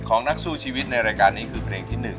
นักสู้ชีวิตในรายการนี้คือเพลงที่๑